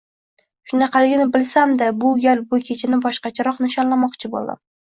Shunaqaligini bilsam-da, bu gal bu kechani boshqachroq nishonlamoqchi bo`ldim